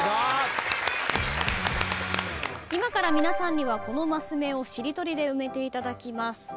今から皆さんにはこのマス目をしりとりで埋めていただきます。